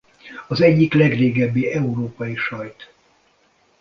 Az egyik legrégebbi európai sajt.